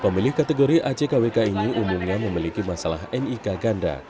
pemilih kategori ajkwk ini umumnya memiliki masalah nik ganda